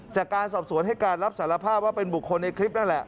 จากการสอบสวนให้การรับสารภาพว่าเป็นบุคคลในคลิปนั่นแหละ